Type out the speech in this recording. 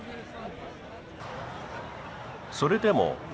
それでも。